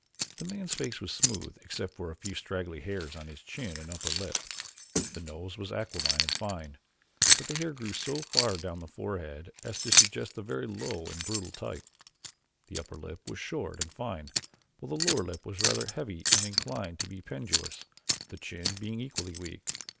The man's face was smooth except for a few straggly hairs on his chin and upper lip. The nose was aquiline and fine, but the hair grew so far down on the forehead as to suggest a very low and brutal type. The upper lip was short and fine while the lower lip was rather heavy and inclined to be pendulous, the chin being equally weak.